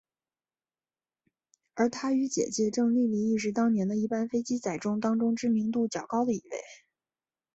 而他与姊姊郑丽丽亦是当年的一班飞机仔当中知名度较高的一位。